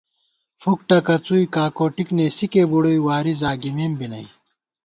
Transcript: فُک ٹکَڅُوئی، کا کوٹِک نېسِکےبُڑُوئی واری زاگِمېم بی نئ